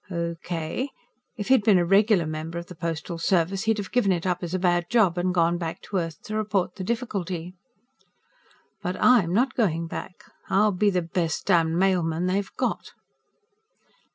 Okay. If he'd been a regular member of the Postal Service, he'd have given it up as a bad job and gone back to Earth to report the difficulty. _But I'm not going back. I'll be the best damned mailman they've got.